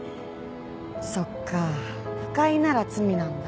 そっか不快なら罪なんだ。